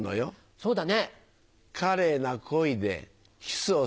そうだね！